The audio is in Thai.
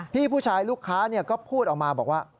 พี่ผู้ชายลูกค้าก็พูดออกมาบอกว่า